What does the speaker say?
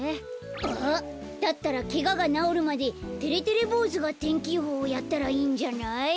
あっだったらケガがなおるまでてれてれぼうずが天気予報やったらいいんじゃない？